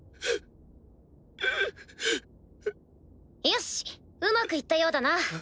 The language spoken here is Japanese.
よしうまく行ったようだな。